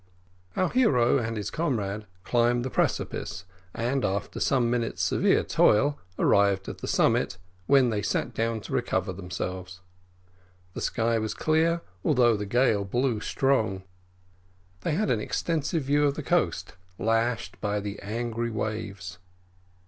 Our hero and his comrade climbed the precipice, and, after some minutes' severe toil, arrived at the summit, when they sat down to recover themselves. The sky was clear, although the gale blew strong. They had an extensive view of the coast, lashed by the angry waves.